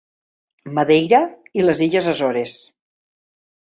Madeira i les illes Açores.